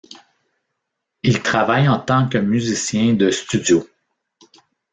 Il travaille en tant que musicien de studio.